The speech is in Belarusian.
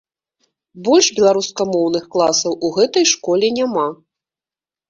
Больш беларускамоўных класаў у гэтай школе няма.